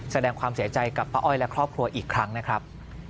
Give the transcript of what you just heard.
แสดงความเสียใจกับป้าอ้อยและครอบครัวอีกครั้งนะครับ